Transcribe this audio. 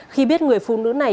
khi biết người phụ nữ này